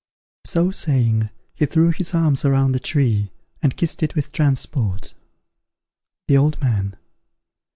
So saying, he threw his arms around the tree, and kissed it with transport. _The Old Man.